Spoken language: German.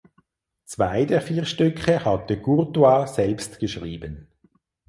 Zwei der vier Stücke hatte Courtois selbst geschrieben.